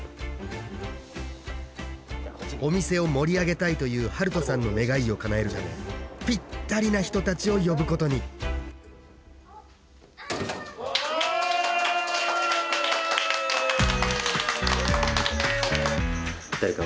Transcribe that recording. お店を盛り上げたいというはるとさんの願いをかなえるためぴったりな人たちを呼ぶことに誰か。